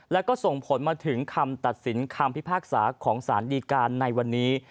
แล้วก็ส่งผลมาถึงคำตัดสินคำพิพากษาของสารดีการในวันนี้